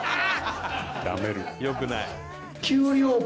よくない。